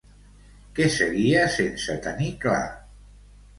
Què seguia sense tenir clar?